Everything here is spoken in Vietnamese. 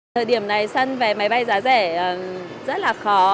thời điểm này sân vé máy bay giá rẻ rất là khó